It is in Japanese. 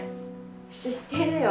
知ってるよ。